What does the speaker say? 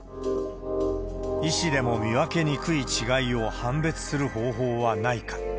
医師でも見分けにくい違いを判別する方法はないか。